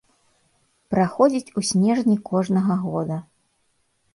Праходзіць у снежні кожнага года.